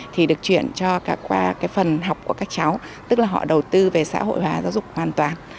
thì được chuyển cho cả phần học của các cháu tức là họ đầu tư về xã hội hóa giáo dục hoàn toàn